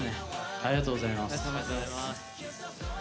ありがとうございます。